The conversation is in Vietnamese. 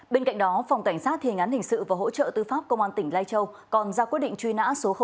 bên cạnh đó phòng cảnh sát thề ngắn hình sự và hỗ trợ tư pháp công an tỉnh lai châu còn ra quy định truy nã số một